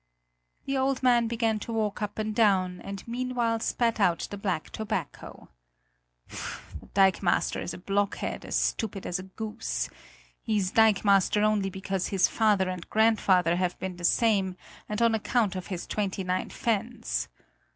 The old man began to walk up and down, and meanwhile spat out the black tobacco. "The dikemaster is a blockhead, as stupid as a goose! He is dikemaster only because his father and grandfather have been the same, and on account of his twenty nine fens.